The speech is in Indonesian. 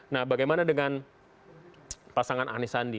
nah bagaimana dengan pasangan anis andi